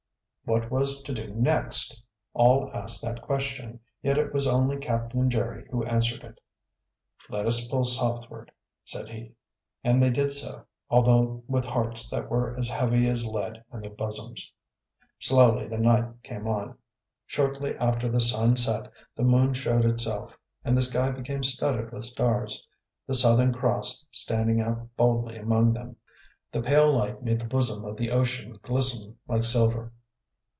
What was to do next? All asked that question, yet it was only Captain Jerry who answered it. "Let us pull southward," said he. And they did so, although with hearts that were as heavy as lead in their bosoms. Slowly the night came on. Shortly after the sun set the moon showed itself and the sky became studded with stars, the Southern Cross standing out boldly among them. The pale light made the bosom of the ocean glisten like silver.